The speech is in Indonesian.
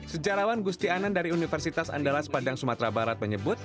sejarawan gusti anan dari universitas andalas padang sumatera barat menyebut